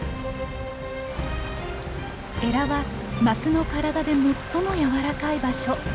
エラはマスの体で最も柔らかい場所。